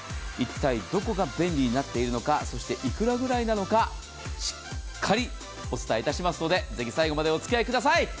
一体どこが便利になっているのか、そしていくらくらいなのか、しっかりお伝えいたしますので、ぜひ最後までおつきあいください。